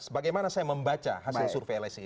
bagaimana saya membaca hasil survei lsi